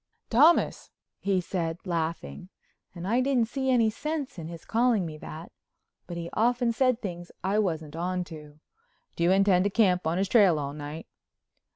"Thomas!" he said, laughing, and I didn't see any sense in his calling me that, but he often said things I wasn't on to. "Do you intend to camp on his trail all night?"